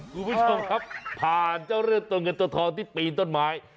คุณผู้ชมครับผ่านเจ้าเลือดตัวเงินตัวทองที่ปีนต้นไม้